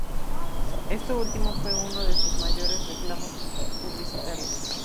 Esto último fue uno de sus mayores reclamos publicitarios.